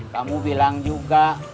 kamu bilang juga